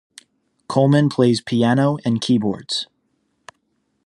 Coleman plays piano and keyboards.